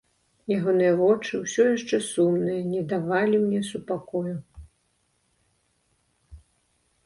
Ягоныя вочы, усё яшчэ сумныя, не давалі мне супакою.